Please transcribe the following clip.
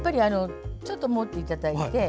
ちょっと持っていただいて。